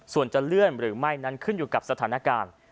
ส่วนจะเลื่อนหรือไม่นั้นขึ้นอยู่กับสถานการณ์